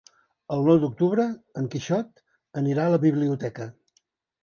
El nou d'octubre en Quixot anirà a la biblioteca.